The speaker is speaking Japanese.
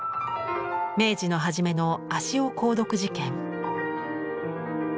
明治の初めの足尾鉱毒事件。